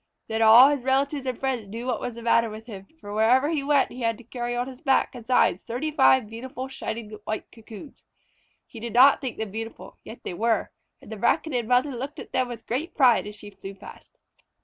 Then all his relatives and friends knew what was the matter with him, for wherever he went he had to carry on his back and sides thirty five beautiful little shining white cocoons. He did not think them beautiful, yet they were, and the Braconid mother looked at them with great pride as she flew past.